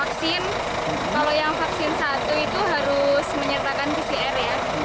vaksin kalau yang vaksin satu itu harus menyertakan pcr ya